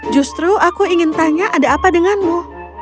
justru aku ingin tanya ada apa denganmu